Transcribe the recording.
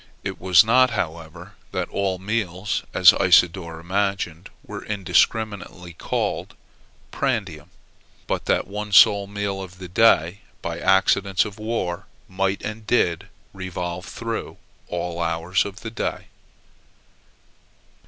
It was not, however, that all meals, as Isidore imagined, were indiscriminately called prandium; but that the one sole meal of the day, by accidents of war, might, and did, revolve through all hours of the day.